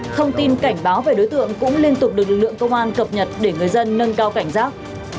thông tin cảnh báo về đối tượng cũng liên tục được lực lượng công an cập nhật để người dân nâng cao cảnh giác